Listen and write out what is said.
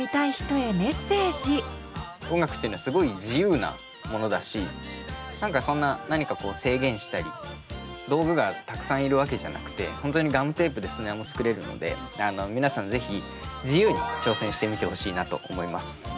音楽ってのはすごい自由なものだし何かそんな何かこう制限したり道具がたくさんいるわけじゃなくて本当にガムテープでスネアも作れるので皆さん是非自由に挑戦してみてほしいなと思います。